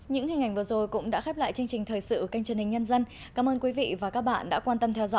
những hình ảnh vừa rồi cũng đã khép lại chương trình thời sự